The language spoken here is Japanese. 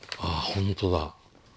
本当だ。